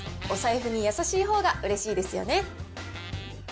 お財布に優しいほうがうれしいですよね。